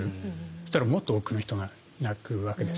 そしたらもっと多くの人が泣くわけですよね。